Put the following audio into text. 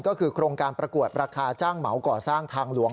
ก็คือโครงการประกวดราคาจ้างเหมาก่อสร้างทางหลวง